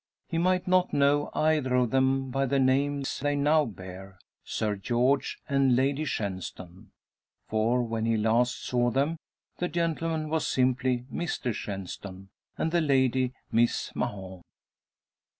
He might not know either of them by the names they now bear Sir George and Lady Shenstone. For when he last saw them the gentleman was simply Mr Shenstone, and the lady Miss Mahon.